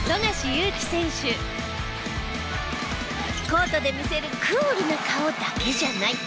コートで見せるクールな顔だけじゃない！